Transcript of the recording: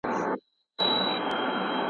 زه د دنیا له ژونده تا ویستلی یمه